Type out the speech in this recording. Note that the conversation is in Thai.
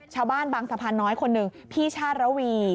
ชาวบ้านบางสะพานน้อยคนหนึ่งพี่ชาติระวี